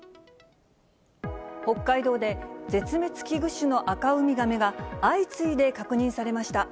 北海道で絶滅危惧種のアカウミガメが、相次いで確認されました。